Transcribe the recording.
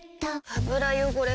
油汚れ